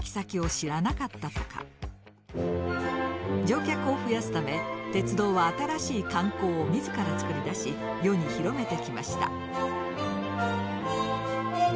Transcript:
乗客を増やすため鉄道は新しい観光を自ら作り出し世に広めてきました。